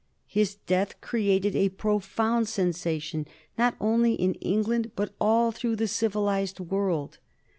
His death created a profound sensation, not only in England, but all through the civilized world.